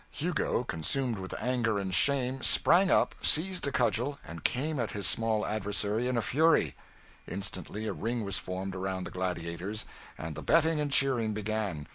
Hugo, consumed with anger and shame, sprang up, seized a cudgel, and came at his small adversary in a fury. Instantly a ring was formed around the gladiators, and the betting and cheering began.